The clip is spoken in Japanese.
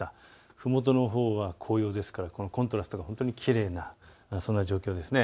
ふもとのほうは紅葉ですからコントラストがきれいな、そういう状況です。